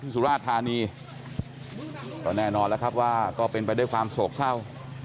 สุราชธานีก็แน่นอนแล้วครับว่าก็เป็นไปด้วยความโศกเศร้า